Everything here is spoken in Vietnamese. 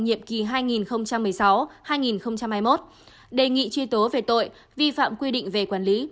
nhiệm kỳ hai nghìn một mươi sáu hai nghìn hai mươi một đề nghị truy tố về tội vi phạm quy định về quản lý